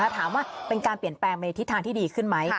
ถามว่าเป็นการเปลี่ยนแปลงในทิศทางที่ดีขึ้นไหม